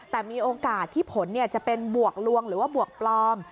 แต่มีโอกาสที่ผลจะเป็นบวกลวงหรือว่าบวกปลอม